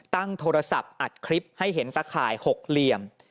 ตั้งโทรศัพท์อัดคลิปให้เห็นตะข่าย๖เหลี่ยม